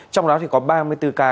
trong đó có ba mươi bốn ca